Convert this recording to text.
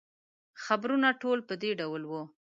خبرونه ټول په دې ډول وو.